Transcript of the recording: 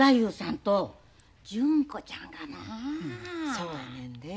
そうやねんで。